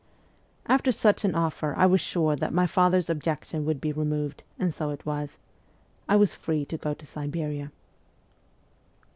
After such an offer I was sure that my father's objection would be removed ; and so it was. I was free to go to Siberia.